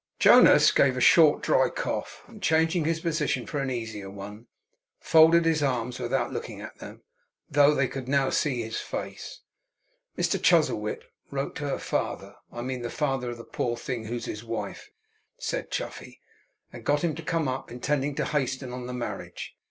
Jonas gave a short, dry cough; and, changing his position for an easier one, folded his arms without looking at them, though they could now see his face. 'Mr Chuzzlewit wrote to her father; I mean the father of the poor thing who's his wife,' said Chuffey; 'and got him to come up, intending to hasten on the marriage.